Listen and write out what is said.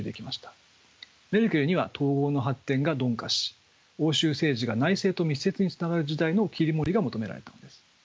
メルケルには統合の発展が鈍化し欧州政治が内政と密接につながる時代の切り盛りが求められたのです。